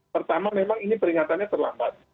pertama memang ini peringatannya terlambat